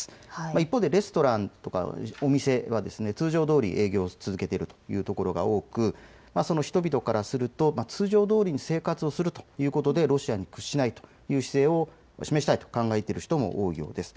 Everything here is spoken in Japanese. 一方でレストランとかお店は通常どおり営業を続けているというところが多く、人々からすると通常どおりに生活をするということでロシアに屈しないという姿勢を示したいと考えている人も多いようです。